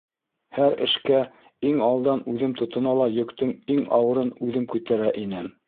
Һәр эшкә иң алдан үҙем тотона ла йөктөң иң ауырын үҙем күтәрә инем.